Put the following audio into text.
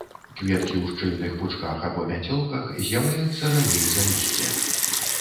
Кветкі ў шчыльных пучках або мяцёлках, з'яўляюцца раней за лісце.